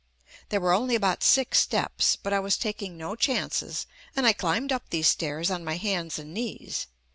There were only about six steps, but I was taking no chances, and I climbed up these stairs on my hands and knees.